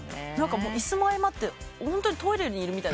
椅子も相まってホントにトイレにいるみたい。